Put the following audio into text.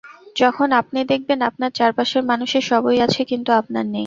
যখন আপনি দেখবেন আপনার চারপাশের মানুষের সবই আছে, কিন্তু আপনার নেই।